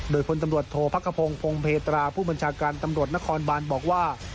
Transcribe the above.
โดยพลตำรวจโทษพักขพงศ์พงเพตราผู้บัญชาการตำรวจนครบานบอกว่า